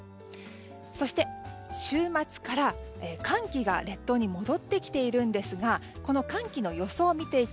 そして、週末から寒気が列島に戻ってきているんですがこの寒気の予想です。